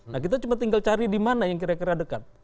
nah kita cuma tinggal cari di mana yang kira kira dekat